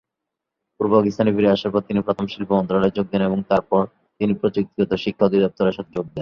পূর্ব পাকিস্তানে ফিরে আসার পর, তিনি প্রথম শিল্প মন্ত্রণালয়ে যোগ দেন এবং তারপর তিনি প্রযুক্তিগত শিক্ষা অধিদফতরের সাথে যোগ দেন।